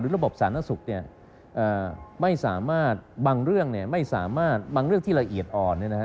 หรือระบบสารสนสุขไม่สามารถบางเรื่องที่ละเอียดอ่อน